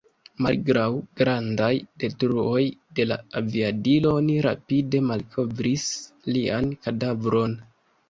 Malgraŭ grandaj detruoj de la aviadilo oni rapide malkovris lian kadavron.